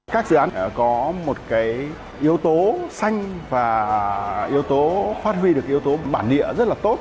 các dự án có một cái yếu tố xanh và yếu tố phát huy được yếu tố bản địa rất là tốt